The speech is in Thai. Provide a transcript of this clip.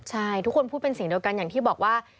ใช่ทุกคนพูดเป็นเสียงเดียวกันอย่างที่บอกว่า